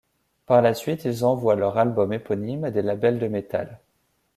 Par la suite, ils envoient leur album éponyme à des labels de metal.